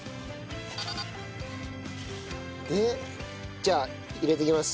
じゃあ入れていきます。